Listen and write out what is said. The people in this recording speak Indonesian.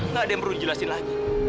nggak ada yang perlu dijelasin lagi